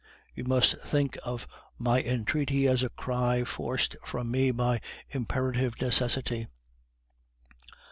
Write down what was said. You must think of my entreaty as a cry forced from me by imperative necessity.